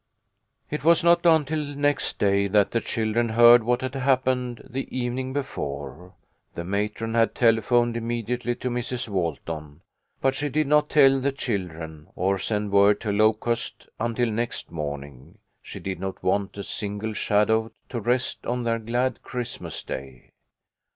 It was not until next day that the children heard what had happened the evening before. The matron had telephoned immediately to Mrs. Walton, but she did not tell the children, or send word to Locust, until next morning. She did not want a single shadow to rest on their glad Christmas Day.